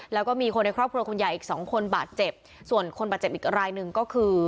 แล้วก็มีคนในครอบครัวคุณใหญ่อีกสองคนบาดเจ็บส่วนคนบาดเจ็บอีกรายหนึ่งก็คือ